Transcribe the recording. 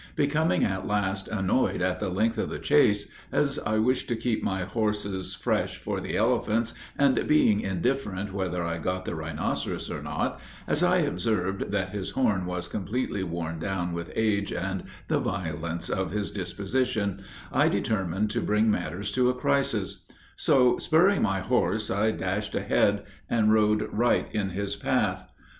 Becoming at last annoyed at the length of the chase, as I wished to keep my horses fresh for the elephants, and being indifferent whether I got the rhinoceros or not, as I observed that his horn was completely worn down with age and the violence of his disposition, I determined to bring matters to a crisis; so, spurring my horse, I dashed ahead, and rode right in his path.